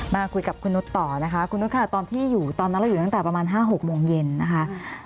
มาคุยกับคุณนุษย์ต่อนะคะคุณนุษย์ค่ะตอนที่อยู่ตอนนั้นเราอยู่ตั้งแต่ประมาณ๕๖โมงเย็นนะคะ